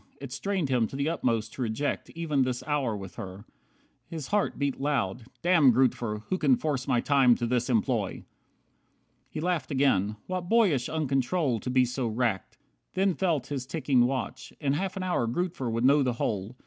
It strained him to the utmost to reject Even this hour with her. His heart beat loud. "Damn Grootver, who can force my time to this employ!" 48 He laughed again. What boyish uncontrol To be so racked. Then felt his ticking watch. In half an hour Grootver would know the whole.